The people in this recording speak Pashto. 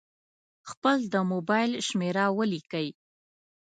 خپل د مبایل شمېره ولیکئ.